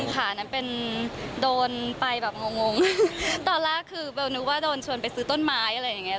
ค่ะอันนั้นเป็นโดนไปแบบงงตอนแรกคือเบลนึกว่าโดนชวนไปซื้อต้นไม้อะไรอย่างนี้